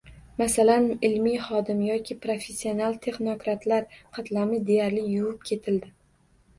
Masalan, ilmiy hodim yoki professional texnokratlar qatlami deyarli yuvib ketildi.